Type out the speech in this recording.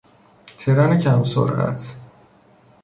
ترن کم سرعت